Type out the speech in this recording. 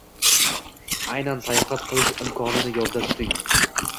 Aynan sayohat qilish imkonini yodda tuting